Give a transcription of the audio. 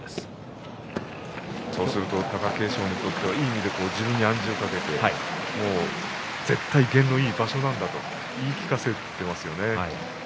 貴景勝はいい意味で自分に暗示をかけて絶対、験のいい場所なんだと言い聞かせていますね。